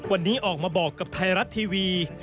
วันนี้ออกมาบอกกับไทยรัฐทีวี